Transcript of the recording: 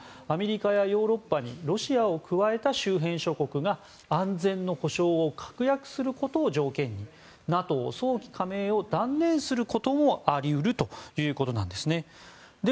アメリカやヨーロッパにロシアを加えた周辺諸国が安全の保障を確約することを条件にＮＡＴＯ早期加盟を断念することもあり得るということなんです。